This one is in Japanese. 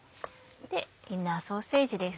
でウインナーソーセージです。